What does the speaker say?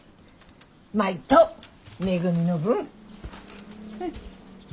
舞とめぐみの分。